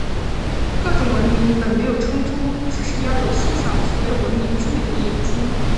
各种文明本没有冲突，只是要有欣赏所有文明之美的眼睛。